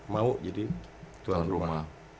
mau jadi tuan rumah